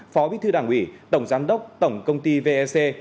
phó bí thư đảng ủy tổng giám đốc tổng công ty vec